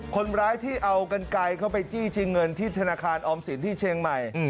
คนร้ายที่เอากันไกลเข้าไปจี้ชิงเงินที่ธนาคารออมสินที่เชียงใหม่